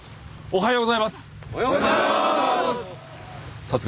おはようございます！